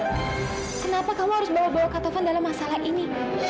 kenapa kamu harus bawa bawa ketovan dalam masalah ini